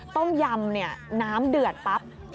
ต้มยำเนี่ยน้ำเดือดปั๊บ